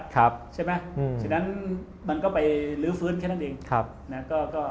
ฉะนั้นมันก็ไปลื้อฟื้นแค่นั้นเอง